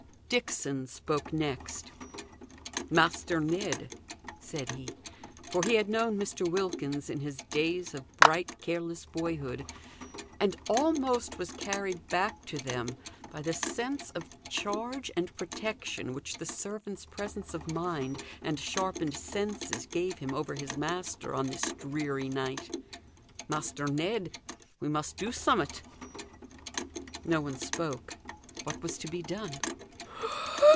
Dixon spoke next. "Master Ned!" said he for he had known Mr. Wilkins in his days of bright careless boyhood, and almost was carried back to them by the sense of charge and protection which the servant's presence of mind and sharpened senses gave him over his master on this dreary night "Master Ned! we must do summut." No one spoke. What was to be done?